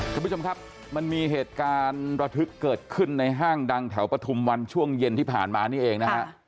คุณผู้ชมครับมันมีเหตุการณ์ระทึกเกิดขึ้นในห้างดังแถวปฐุมวันช่วงเย็นที่ผ่านมานี่เองนะฮะ